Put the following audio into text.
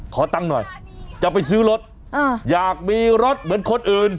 ขอตังค์หน่อยจะไปซื้อรถอยากมีรถเหมือนคนอื่น